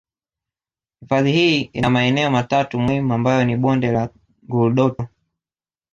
Hifadhi hii ina maeneo matatu muhimu ambayo ni bonde la Ngurdoto